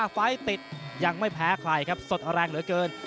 ไฟล์ติดยังไม่แพ้ใครครับสดแรงเหลือเกิน